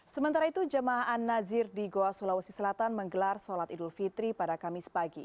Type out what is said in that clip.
sementara itu jemaah an nazir di goa sulawesi selatan menggelar sholat idul fitri pada kamis pagi